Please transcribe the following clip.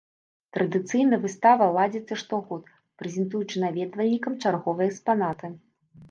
Традыцыйна выстава ладзіцца штогод, прэзентуючы наведвальнікам чарговыя экспанаты.